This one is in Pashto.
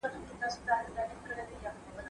دا عمل له شريعت سره موافق نه دی.